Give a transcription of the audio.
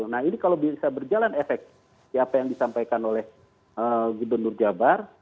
nah ini kalau bisa berjalan efektif apa yang disampaikan oleh gubernur jabar